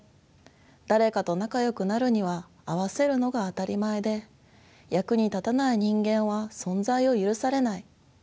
誰かと仲よくなるには合わせるのが当たり前で役に立たない人間は存在を許されない。